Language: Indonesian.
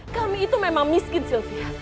kami itu memang miskin sylvia